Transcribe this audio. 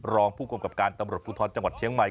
รองผู้กำกับการตำรวจภูทรจังหวัดเชียงใหม่